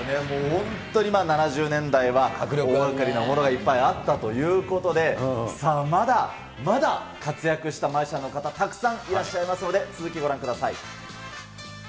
本当に７０年代は迫力の大がかりのものがあったということで、さあ、まだまだ活躍したマジシャンの方、たくさんいらっしゃいますので、続き、ご覧ください。